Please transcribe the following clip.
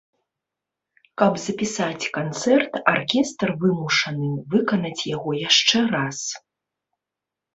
Каб запісаць канцэрт, аркестр вымушаны выканаць яго яшчэ раз.